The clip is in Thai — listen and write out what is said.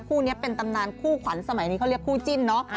คู่นี้เป็นตำนานคู่ขวัญสมัยนี้เขาเรียกคู่จิ้นเนาะ